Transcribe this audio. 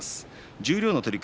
十両の取組